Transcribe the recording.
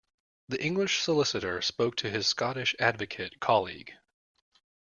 The English solicitor spoke to his Scottish advocate colleague